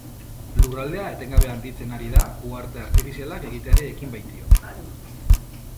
Lurraldea etengabe handitzen ari da uharte artifizialak egiteari ekin baitio.